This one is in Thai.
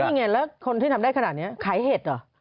นี่ไงแล้วคนที่ทำได้ขนาดนี้ขายเห็ดเหรอ